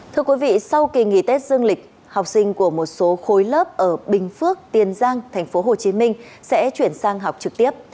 thưa quý vị sau kỳ nghỉ tết dương lịch học sinh của một số khối lớp ở bình phước tiền giang tp hcm sẽ chuyển sang học trực tiếp